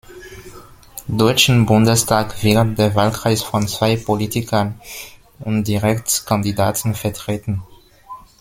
Deutschen Bundestag wird der Wahlkreis von zwei Politikern und Direktkandidaten vertreten.